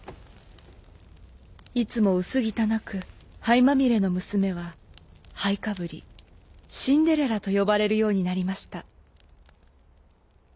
いつもうすぎたなくはいまみれのむすめは「はいかぶり」「シンデレラ」とよばれるようになりました。